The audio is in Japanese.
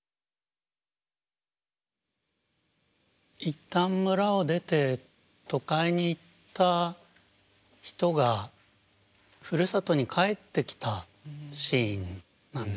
一旦村を出て都会に行った人がふるさとに帰ってきたシーンなんですよねこれは。